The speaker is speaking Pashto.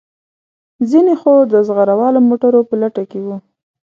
ځینې خو د زغره والو موټرو په لټه کې وو.